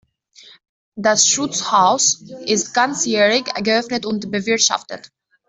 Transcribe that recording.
Das Schutzhaus ist ganzjährig geöffnet und bewirtschaftet.